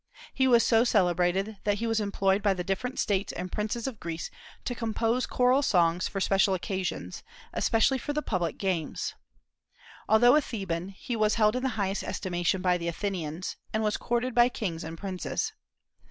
He was so celebrated that he was employed by the different States and princes of Greece to compose choral songs for special occasions, especially for the public games. Although a Theban, he was held in the highest estimation by the Athenians, and was courted by kings and princes.